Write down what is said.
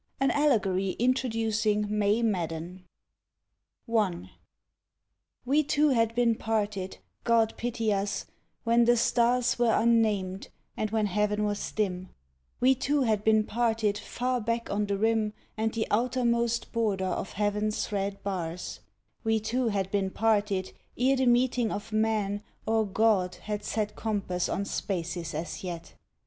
AN ALLEGORY INTRODUCING “MAE MADDEN.” I. We two had been parted, God pity us, when The stars were unnamed and when heaven was dim; We two had been parted far back on the rim And the outermost border of heaven’s red bars: We two had been parted ere the meeting of men Or God had set compass on spaces as yet.